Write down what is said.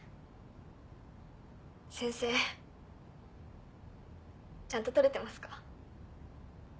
先生ちゃんと撮れてますか？